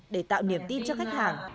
để tạo niềm tin cho khách hàng